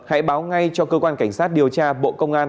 hãy báo ngay cho cơ quan cảnh sát điều tra bộ công an